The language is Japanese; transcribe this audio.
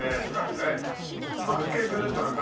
サンケイグループなんだ。